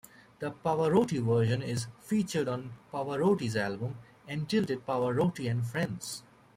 The Pavarotti version is featured on Pavarotti's album entitled "Pavarotti and Friends".